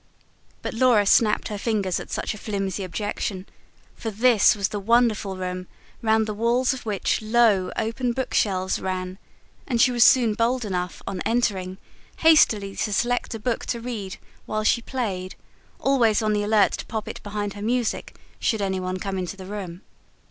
But Laura snapped her fingers at such a flimsy objection; for this was the wonderful room round the walls of which low, open bookshelves ran; and she was soon bold enough, on entering, hastily to select a book to read while she played, always on the alert to pop it behind her music, should anyone come into the room.